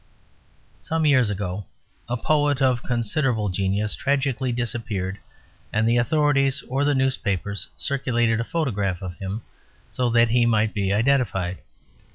Some years ago a poet of considerable genius tragically disappeared, and the authorities or the newspapers circulated a photograph of him, so that he might be identified.